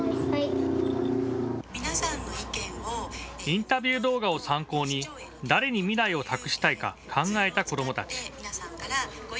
インタビュー動画を参考に誰に未来を託したいか考えた子どもたち。